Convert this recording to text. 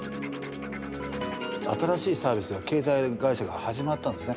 新しいサービスが携帯会社が始まったんですね。